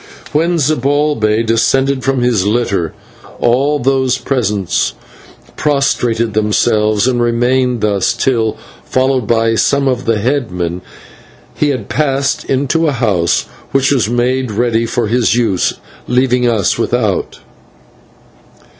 When Zibalbay descended from his litter, all those present prostrated themselves, and remained thus till, followed by some of the headmen, he had passed into a house which was made ready for his use, leaving us without.